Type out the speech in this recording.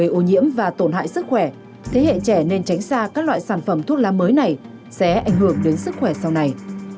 gây ô nhiễm và tổn hại sức khỏe thế hệ trẻ nên tránh xa các loại sản phẩm thuốc lá mới này sẽ ảnh hưởng đến sức khỏe sau này